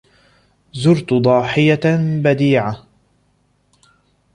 زُرْتُ ضَاحِيَةً بَدِيعَةً.